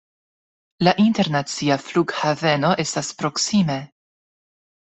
La internacia flughaveno estas proksime.